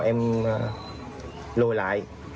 em lùi lại